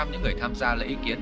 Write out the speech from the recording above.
những người tham gia lấy ý kiến